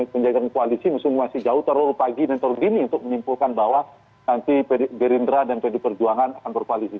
penjagaan koalisi masih jauh terlalu pagi dan terlalu dini untuk menyimpulkan bahwa nanti gerindra dan pd perjuangan akan berkoalisi